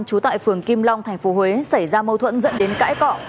trú tại phường kim long tp huế xảy ra mâu thuẫn dẫn đến cãi cọ